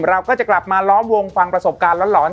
เราก็จะกลับมาล้อมวงฟังประสบการณ์หลอน